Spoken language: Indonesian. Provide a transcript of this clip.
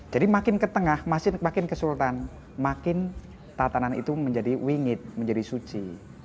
jadi makin ke tengah makin ke sultan makin tatanan itu menjadi wingit menjadi suci